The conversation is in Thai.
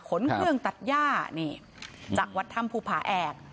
ขนเครื่องตัดหญ้านี่จากวัดธรรมภูผ่าแอบ